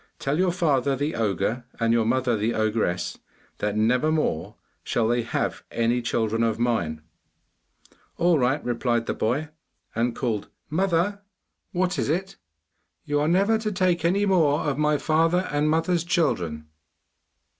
Tell your father the ogre and your mother the ogress, that never more shall they have any children of mine.' 'All right,' replied the boy, and called 'Mother!' 'What is it?' 'You are never to take away any more of my father and mother's children!